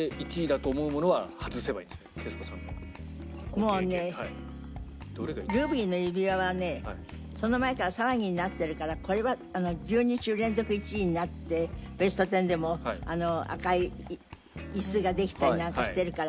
もうね『ルビーの指環』はねその前から騒ぎになってるからこれは１２週連続１位になって『ベストテン』でも赤いイスができたりなんかしてるから。